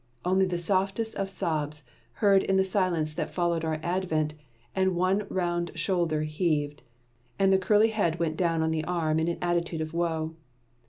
Only the softest of soft sobs, heard in the silence that followed our advent, and one round shoulder heaved, and the curly head went down on the arm in an attitude of woe.